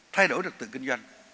thay đổi đặc tượng kinh doanh